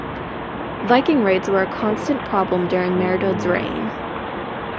Viking raids were a constant problem during Maredudd's reign.